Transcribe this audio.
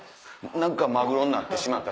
何かマグロになってしまった。